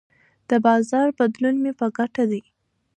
د بازار بدلون مې په ګټه دی.